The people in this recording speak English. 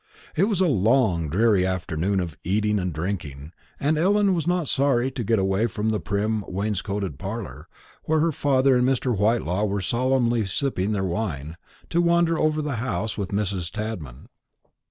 It was a long dreary afternoon of eating and drinking; and Ellen was not sorry to get away from the prim wainscoted parlour, where her father and Mr. Whitelaw were solemnly sipping their wine, to wander over the house with Mrs. Tadman.